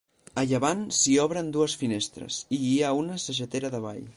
A llevant s'hi obren dues finestres i hi ha una sagetera davall.